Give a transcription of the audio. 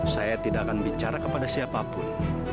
saya tidak akan bicara kepada siapapun